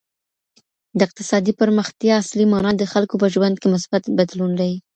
د اقتصادي پرمختيا اصلي مانا د خلګو په ژوند کي مثبت بدلون دی.